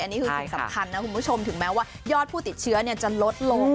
อันนี้คือสิ่งสำคัญนะคุณผู้ชมถึงแม้ว่ายอดผู้ติดเชื้อจะลดลง